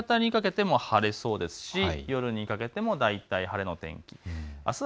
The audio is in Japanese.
夕方にかけても晴れそうですし夜にかけても大体晴れの天気。